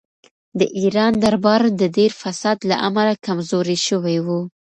د ایران دربار د ډېر فساد له امله کمزوری شوی و.